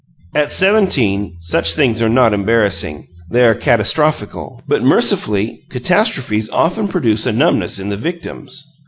At seventeen such things are not embarrassing; they are catastrophical. But, mercifully, catastrophes often produce a numbness in the victims.